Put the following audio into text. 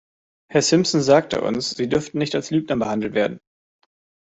Herr Simpson sagte uns, Sie dürften nicht als Lügner behandelt werden.